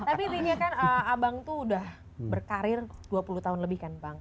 tapi intinya kan abang tuh udah berkarir dua puluh tahun lebih kan bang